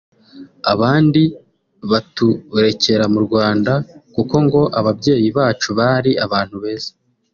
abandi baturekera mu Rwanda kuko ngo ababyeyi bacu bari abantu beza